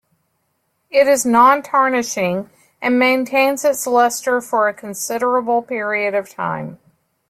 It is non-tarnishing and maintains its lustre for a considerable period of time.